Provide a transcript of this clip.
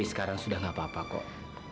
tapi sekarang sudah gak apa apa kok